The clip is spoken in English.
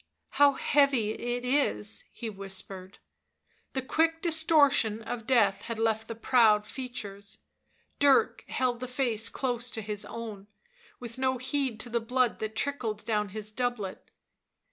11 How heavy it is," he whispered. The quick distortion of death had left the proud features ; Dirk held the face close to his own, with no heed to the blood that trickled down his doublet.